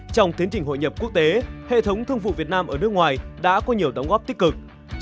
trong tiến trình hội nhập quốc tế hệ thống thương vụ việt nam ở nước ngoài đã có nhiều đóng góp tích cực